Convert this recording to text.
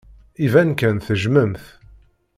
Iban kan tejjmem-t.